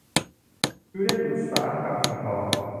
ยูเนี่ยนอุตสาหกรรมสิ่งทอ